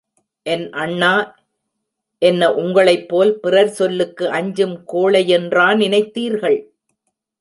என் அண்ணா என்ன உங்களைப்போல் பிறர் சொல்லுக்கு அஞ்சும் கோழையென்றா நினைத்தீர்கள்?